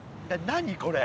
何これ？